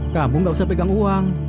kamu gak usah pegang uang